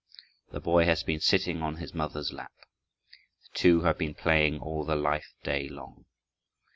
The boy has been sitting on his mother's lap, The two have been playing all the life day long.